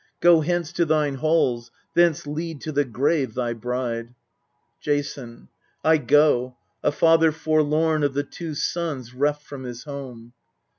Go hence to thine halls, thence lead to the grave thy bride ! Jason. I go, a father forlorn of the two sons reft from his home